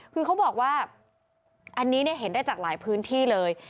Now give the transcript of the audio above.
คือเขาบอกว่าอันนี้เห็นได้จากหลายพื้นที่เลย